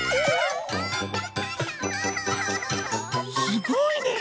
すごいね！